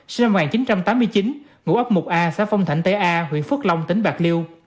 sinh năm một nghìn chín trăm tám mươi chín ngụ ấp một a xã phong thạnh tây a huyện phước long tỉnh bạc liêu